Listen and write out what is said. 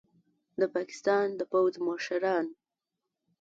د پاکستان د پوځ مشران